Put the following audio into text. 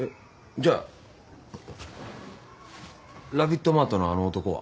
じゃあラビットマートのあの男は？